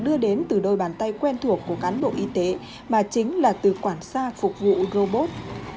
đưa đến từ đôi bàn tay quen thuộc của cán bộ y tế mà chính là từ quản xa phục vụ robot